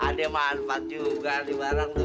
ada manfaat juga di barang tuh